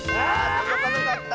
とどかなかった。